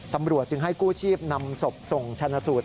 ตำรวจจึงให้กู้ชีพนำศพส่งชนะสูตร